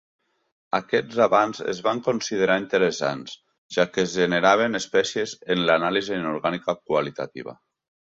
Aquests abans es van considerar interessants ja que es generaven espècies en l'anàlisi inorgànica qualitativa.